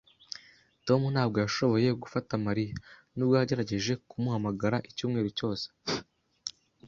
Tom ntabwo yashoboye gufata Mariya, nubwo yagerageje kumuhamagara icyumweru cyose